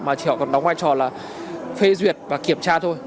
mà chỉ họ còn đóng vai trò là phê duyệt và kiểm tra thôi